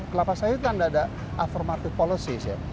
kelapa sawit kan ada affirmative policy